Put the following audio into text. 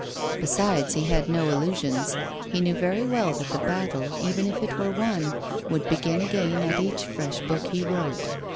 Besides, he had no illusions; he knew very well that the battle, even if it were won, would begin again at each fresh book he wrote.